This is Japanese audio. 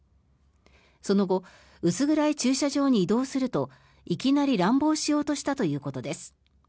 その後薄暗い駐車場に移動するといきなり乱暴しようとしたということです。